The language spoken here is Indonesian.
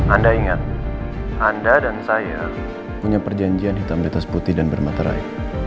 anda ingat anda dan saya punya perjanjian hitam di atas putih dan bermaterai